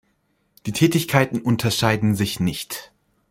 Die Tätigkeiten unterscheiden sich nicht.